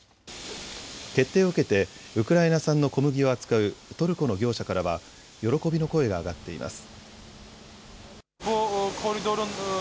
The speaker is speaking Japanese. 決定を受けてウクライナ産の小麦を扱うトルコの業者からは喜びの声が上がっています。